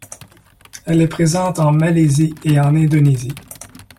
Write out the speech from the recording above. Elle est présente en Malaisie et en Indonésie.